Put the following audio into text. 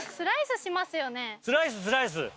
スライススライス。